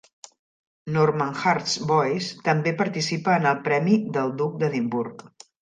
Normanhurst Boys també participa en el Premi del Duc d'Edimburg.